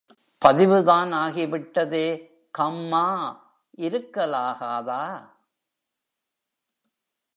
பதிவுதான் ஆகிவிட்டதே, கம்மா இருக்கலாகாதா?